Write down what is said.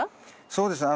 そうですね。